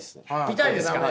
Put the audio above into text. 見たいですか？